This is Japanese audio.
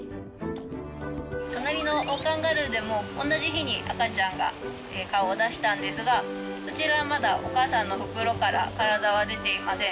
隣のオオカンガルーでも同じ日に赤ちゃんが顔を出したんですがそちらはまだお母さんの袋から体は出ていません。